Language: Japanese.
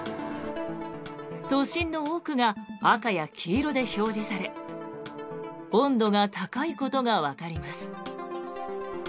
都心の多くが赤や黄色で表示され温度が高いことがわかります。